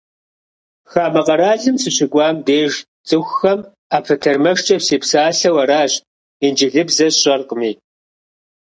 Хамэ къаралым сыщыкӏуам деж цӏыхухэм ӏэпэтэрмэшкӏэ сепсалъэу аращ, инджылыбзэ сщӏэркъыми.